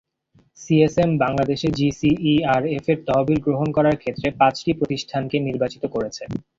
CSM বাংলাদেশে জিসিইআরএফের তহবিল গ্রহণ করার ক্ষেত্রে পাঁচটি প্রতিষ্ঠানকে নির্বাচিত করেছে।